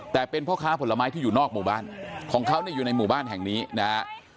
แต่เป็นพ่อค้าผลไม้ที่อยู่นอกหมู่บ้านของเขาเนี่ยอยู่ในหมู่บ้านแห่งนี้นะฮะ